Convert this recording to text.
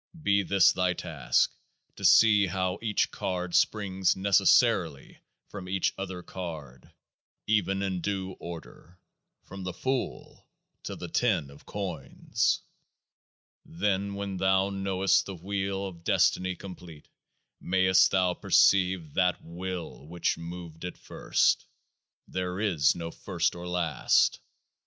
Be this thy task, to see how each card springs necessarily from each other card, even in due order from The Fool unto The Ten of Coins. Then, when thou know'st the Wheel of Destiny complete, mayst thou perceive THAT Will which moved it first. [There is no first or last.